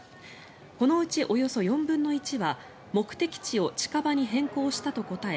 このうちおよそ４分の１は目的地を近場に変更したと答え